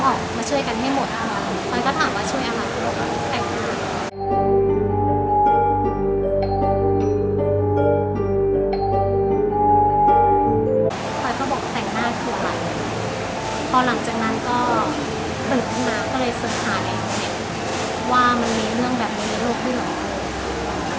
ก็เลยสุขาดไอ้คนเนี่ยว่ามันมีเรื่องแบบนี้รูปด้วยหรอ